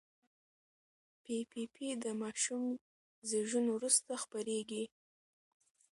پي پي پي د ماشوم زېږون وروسته خپرېږي.